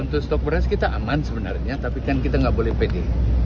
untuk stok beras kita aman sebenarnya tapi kan kita nggak boleh pede